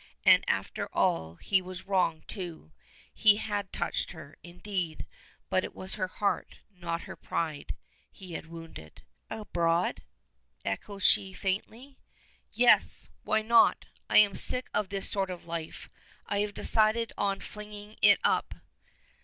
And after all he was wrong, too. He had touched her, indeed; but it was her heart, not her pride, he had wounded. "Abroad?" echoes she, faintly. "Yes; why not? I am sick of this sort of life. I have decided on flinging it up."